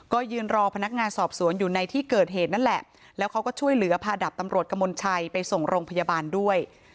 ก็ยืนรอพนักงานสอบสวนอยู่ในที่เกิดเหตุนั่นแหละแล้วเขาก็ช่วยเหลือพาดับตำรวจกมลชัยไปส่งโรงพยาบาลด้วย